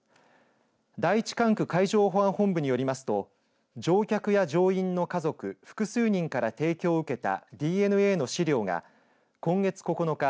第１管区海上保安本部によりますと乗客や乗員の家族複数人から提供を受けたＤＮＡの資料が今月９日